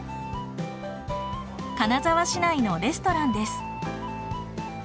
金沢市内のレストランです。